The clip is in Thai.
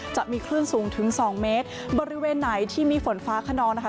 จะมีคลื่นสูงถึงสองเมตรบริเวณไหนที่มีฝนฟ้าขนองนะคะ